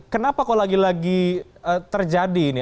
kenapa kok lagi lagi terjadi ini